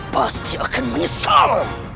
pasti akan menyesal